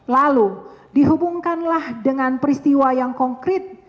lalu dihubungkanlah dengan peristiwa yang konkret